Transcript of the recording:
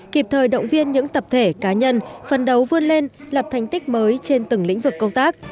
kịp thời động viên những tập thể cá nhân phân đấu vươn lên lập thành tích mới trên từng lĩnh vực công tác